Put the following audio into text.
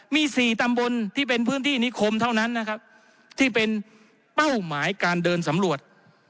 มี๔ตำบลที่เป็นพื้นที่นิคมเท่านั้นนะครับที่เป็นเป้าหมายการเดินสำรวจ